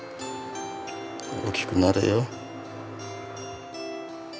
大きくなれよ。